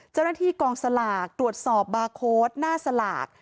เจ้าหน้าที่กองสลากตรวจสอบบาร์โค้ดหน้าสลาก